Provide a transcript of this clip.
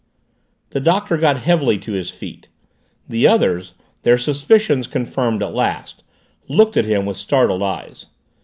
The Doctor got heavily to his feet. The others, their suspicions confirmed at last, looked at him with startled eyes.